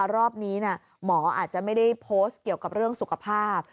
รอบนี้หมออาจจะไม่ได้โพสต์เกี่ยวกับเรื่องสุขภาพ